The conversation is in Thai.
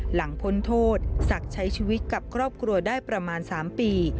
พ้นโทษศักดิ์ใช้ชีวิตกับครอบครัวได้ประมาณ๓ปี